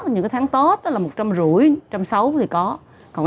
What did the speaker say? những tháng tốt là một trăm năm mươi một trăm sáu mươi thì có